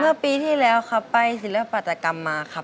เมื่อปีที่แล้วครับไปศิลปัตกรรมมาครับ